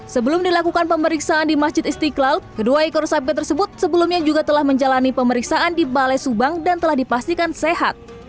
sebelum dilakukan pemeriksaan di masjid istiqlal kedua ekor sapi tersebut sebelumnya juga telah menjalani pemeriksaan di balai subang dan telah dipastikan sehat